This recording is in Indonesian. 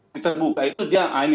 pintu a ini